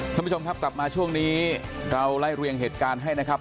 ท่านผู้ชมครับกลับมาช่วงนี้เราไล่เรียงเหตุการณ์ให้นะครับ